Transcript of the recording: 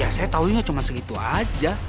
ya saya tahunya cuma segitu aja